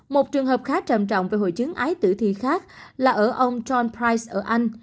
một trường hợp khá trầm trọng về hội chứng ái tử thi khác là ở ông john prights ở anh